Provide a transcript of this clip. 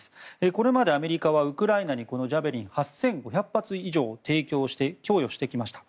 これまでアメリカはウクライナにジャベリンを８５００発以上提供して、供与してきました。